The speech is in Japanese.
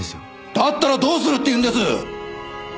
だったらどうするっていうんです！？